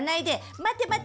待て待て！